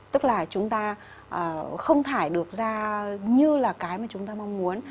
tức là chúng ta không thải được ra như là cái mà chúng ta mong muốn